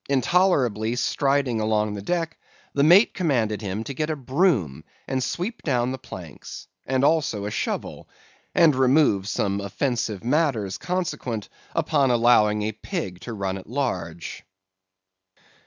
Intolerably striding along the deck, the mate commanded him to get a broom and sweep down the planks, and also a shovel, and remove some offensive matters consequent upon allowing a pig to run at large.